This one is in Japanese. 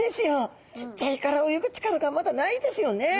ちっちゃいから泳ぐ力がまだないですよね。